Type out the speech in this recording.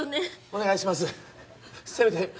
お願いします